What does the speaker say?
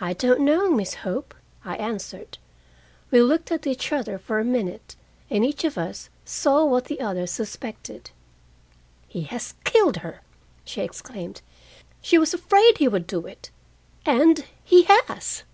"I don't know, Miss Hope," I answered. We looked at each other for a minute, and each of us saw what the other suspected. "He has killed her!" she exclaimed. "She was afraid he would do it, and he has."